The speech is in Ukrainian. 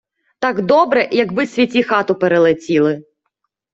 Так добре, якби святі хату перелетіли.